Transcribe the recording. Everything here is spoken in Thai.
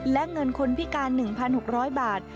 และเงินคนพิการ๑๖๐๐บาท